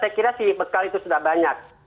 saya kira si bekal itu sudah banyak